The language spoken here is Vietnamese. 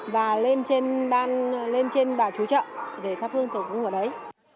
và lên trên bà chú chợ để thắp hương thở cúng ở đấy